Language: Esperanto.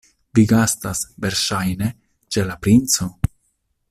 Vi gastas, verŝajne, ĉe la princo?